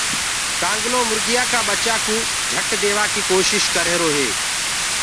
ڪآنگلآ مُريآ ڪآ ٻچآ ڪوُ جھٽ ديوآ ڪي ڪوشش ڪر رهيرو هي۔